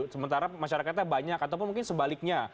sementara masyarakatnya banyak ataupun mungkin sebaliknya